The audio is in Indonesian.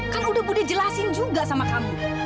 kan udah budi jelasin juga sama kamu